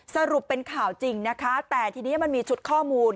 สรุปเป็นข่าวจริงนะคะแต่ทีนี้มันมีชุดข้อมูล